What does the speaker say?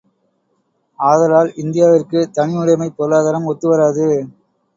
ஆதலால், இந்தியாவிற்குத் தனியுடைமைப் பொருளாதாரம் ஒத்துவராது.